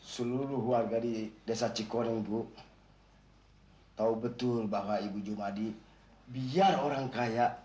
seluruh warga di desa cikoreng bu tahu betul bahwa ibu jumadi biar orang kaya